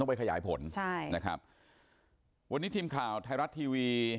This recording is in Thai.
ตอนนี้กำลังจะโดดเนี่ยตอนนี้กำลังจะโดดเนี่ย